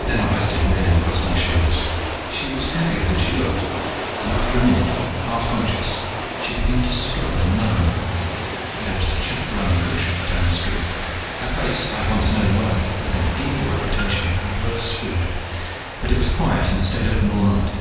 Then I hoisted Miellyn across my shoulders. She was heavier than she looked, and after a minute, half conscious, she began to struggle and moan. There was a chak run cookshop down the street, a place I'd once known well, with an evil reputation and worse food, but it was quiet and stayed open all night.